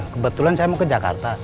kebetulan saya mau ke jakarta